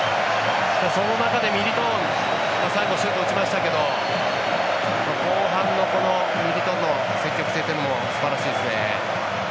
その中でミリトン最後、シュート打ちましたけど後半のミリトンの積極性というのもすばらしいですね。